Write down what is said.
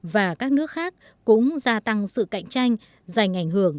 và các nước khác cũng gia tăng sự cạnh tranh giành ảnh hưởng